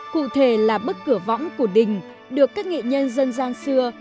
cụ thể là bức cửa võng của đình được các nghệ nhân dân gian xưa